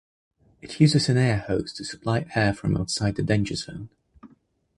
It uses an air hose to supply air from outside the danger zone.